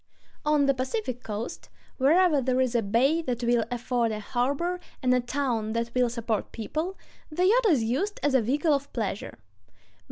On the Pacific coast, ... wherever there is a bay that will afford a harbor, and a town that will support people, the yacht is used as a vehicle of pleasure....